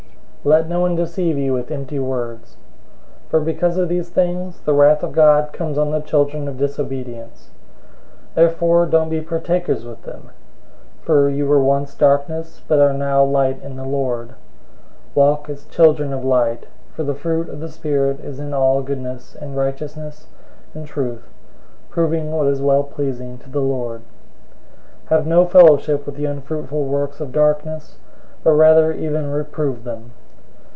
005:006 Let no one deceive you with empty words. For because of these things, the wrath of God comes on the children of disobedience. 005:007 Therefore don't be partakers with them. 005:008 For you were once darkness, but are now light in the Lord. Walk as children of light, 005:009 for the fruit of the Spirit is in all goodness and righteousness and truth, 005:010 proving what is well pleasing to the Lord. 005:011 Have no fellowship with the unfruitful works of darkness, but rather even reprove them.